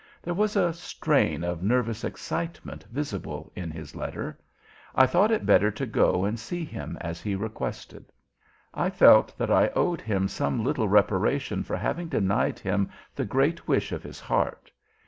There was a strain of nervous excitement visible in his letter. I thought it better to go and see him as he requested; I felt that I owed him some little reparation for having denied him the great wish of his heart.